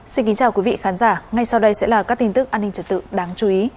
xin kính chào quý vị khán giả ngay sau đây sẽ là các tin tức an ninh trật tự đáng chú ý